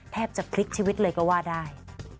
แทบจะพลิกชีวิตเลยก็ว่าได้